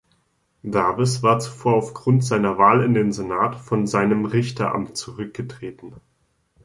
Davis war zuvor auf Grund seiner Wahl in den Senat von seinem Richteramt zurückgetreten.